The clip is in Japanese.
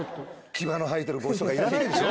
牙の生えてる帽子とかいらないでしょ？